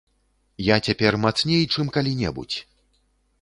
Я цяпер мацней, чым калі-небудзь.